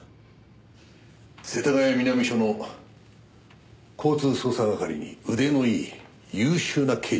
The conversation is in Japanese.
世田谷南署の交通捜査係に腕のいい優秀な刑事がいる。